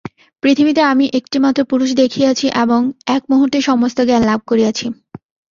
পৃথিবীতে আমি একটিমাত্র পুরুষ দেখিয়াছি এবং এক মুহূর্তে সমস্ত জ্ঞান লাভ করিয়াছি।